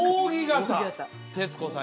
徹子さん